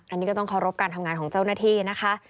อันนี้ก็ต้องเคารพการทำงานของเจ้าหน้าที่นะคะ